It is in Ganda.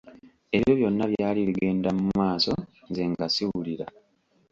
Ebyo byonna byali bigenda mu maaso nze nga siwulira.